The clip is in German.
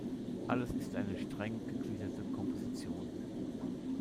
Alles ist eine streng gegliederte Komposition.